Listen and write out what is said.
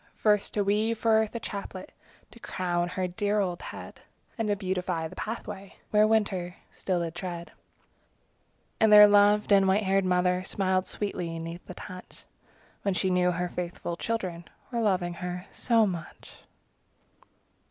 First to weave for Earth a chaplet To crown her dear old head; And to beautify the pathway Where winter still did tread. And their loved and white haired mother Smiled sweetly 'neath the touch, When she knew her faithful children Were loving her so much.